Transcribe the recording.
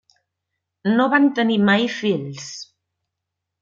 No van tenir mai fills.